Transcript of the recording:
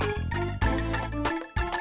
udah sampai nih ajam